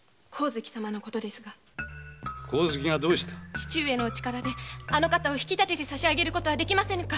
父上のお力であの方をひきたててさしあげることはできませぬか？